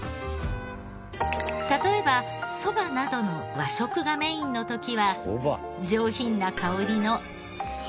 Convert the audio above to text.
例えばそばなどの和食がメインの時は上品な香りの月。